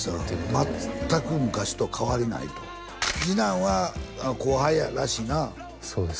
全く昔と変わりないと次男は後輩らしいなそうです